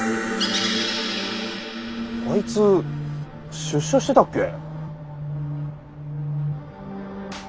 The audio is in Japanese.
あいつ出所してたっけ？